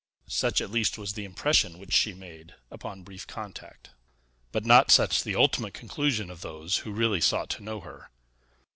Such, at least, was the impression which she made, upon brief contact, but not such the ultimate conclusion of those who really sought to know her.